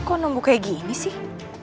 kok nunggu kayak gini sih